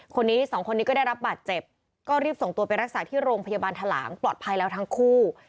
คนนี้สองคนนี้ก็ได้รับบาดเจ็บก็รีบส่งตัวไปรักษาที่โรงพยาบาลทะหลางปลอดภัยแล้วทั้งคู่